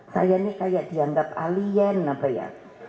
saya ini kayak dianggap alien apa ya